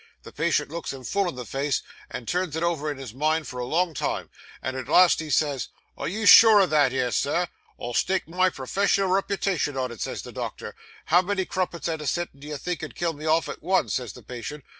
The patient looks him full in the face, and turns it over in his mind for a long time, and at last he says, "Are you sure o' that 'ere, Sir?" "I'll stake my professional reputation on it," says the doctor. "How many crumpets, at a sittin', do you think 'ud kill me off at once?" says the patient.